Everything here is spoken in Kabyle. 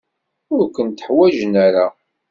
Ur kent-ḥwajen ara.